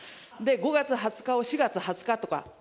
５月２０日を４月２０日とか。